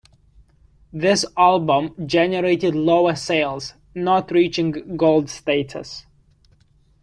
This album generated lower sales, not reaching gold status.